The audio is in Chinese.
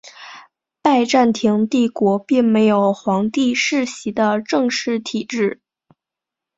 拜占庭帝国并没有皇帝世袭的正式体制。